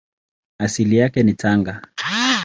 Asili yake ni Tanga.